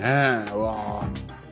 うわ。